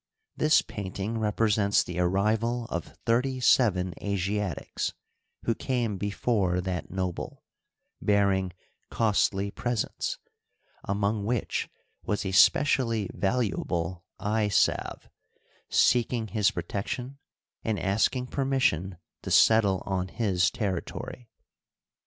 This painting represents the arrival of thirty seven Asiatics who camQ before that noble, bearing costly presents, among which was a specially valuable eye salve, seeking his protection and asking permission to settle on his territory.